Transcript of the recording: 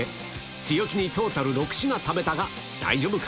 強気にトータル６品食べたが大丈夫か？